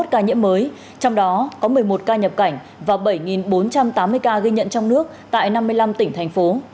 hai mươi ca nhiễm mới trong đó có một mươi một ca nhập cảnh và bảy bốn trăm tám mươi ca ghi nhận trong nước tại năm mươi năm tỉnh thành phố